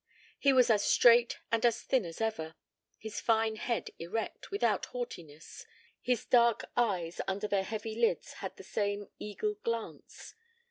He was as straight and as thin as ever, his fine head erect, without haughtiness; his dark eyes under their heavy lids had the same eagle glance.